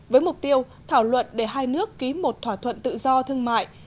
với mục tiêu thảo luận để hai nước ký một thỏa thuận tự do thương mại